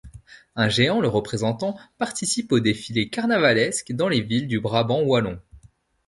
Un géant le représentant participe aux défilés carnavalesques dans les villes du Brabant wallon.